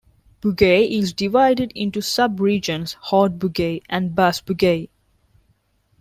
Bugey is divided into two sub-regions: Haut Bugey and Bas Bugey.